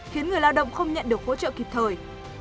khiến người lao động không nhận được hỗ trợ kịp thời